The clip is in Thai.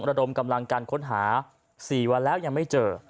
ระดมกำลังการค้นหา๔วันแล้วยังไม่เจอ